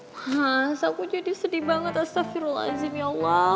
mas aku jadi sedih banget astagfirullahaladzim ya allah